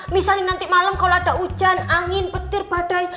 misalnya nanti malam kalau ada hujan angin petir badai